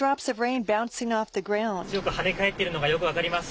かなり大粒の雨が強く跳ね返っているのがよく分かります。